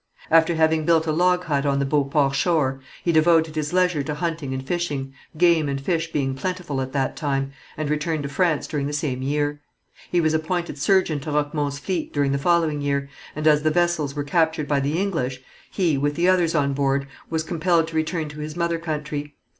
After having built a log hut on the Beauport shore, he devoted his leisure to hunting and fishing, game and fish being plentiful at that time, and returned to France during the same year. He was appointed surgeon to Roquemont's fleet during the following year, and as the vessels were captured by the English, he, with the others on board, was compelled to return to his mother country.